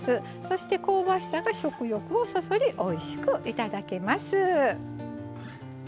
そして香ばしさが食欲をそそりおいしくいただけます。